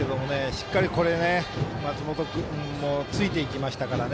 しっかり、松本君もついていきましたから。